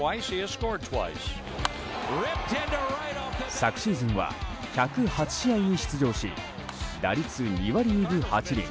昨シーズンは１０８試合に出場し打率２割２分８厘